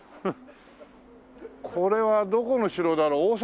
これはどこの城だろう。